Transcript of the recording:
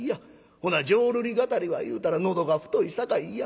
ほな浄瑠璃語りは言うたら『喉が太いさかい嫌』。